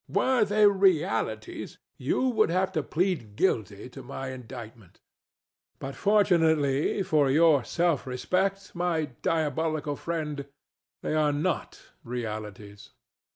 Were they realities, you would have to plead guilty to my indictment; but fortunately for your self respect, my diabolical friend, they are not realities.